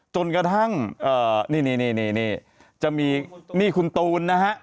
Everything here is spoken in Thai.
จนกระทั่งนี่จะมีนี่คุณตูนนะฮะ